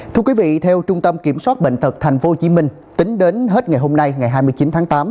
thưa quý vị theo trung tâm kiểm soát bệnh tật tp hcm tính đến hết ngày hôm nay ngày hai mươi chín tháng tám